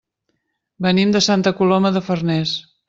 Venim de Santa Coloma de Farners.